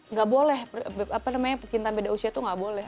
nggak boleh apa namanya percintaan beda usia itu nggak boleh